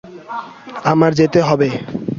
আমার যেতে হবে।